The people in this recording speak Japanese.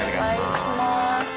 お願いします。